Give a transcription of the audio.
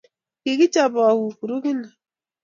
Kikichope au grupit ni?